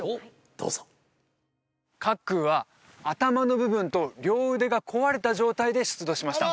どうぞ茅空は頭の部分と両腕が壊れた状態で出土しました